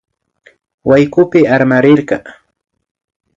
Waykupi armakrirka